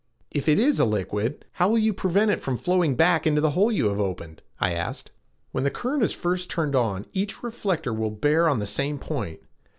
"If it is a liquid, how will you prevent it from flowing back into the hole you have opened?" I asked. "When the current is first turned on, each reflector will bear on the same point.